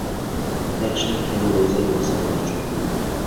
ياخشىراق كىنو بولسا يوللىساڭلارچۇ.